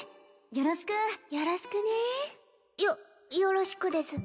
よろしくよろしくねよよろしくです